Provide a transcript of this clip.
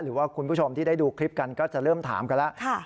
คุณผู้ชมที่ได้ดูคลิปกันก็จะเริ่มถามกันแล้ว